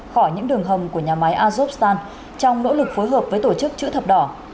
khỏi những đường hầm của nhà máy azokstan trong nỗ lực phối hợp với tổ chức chữ thập đỏ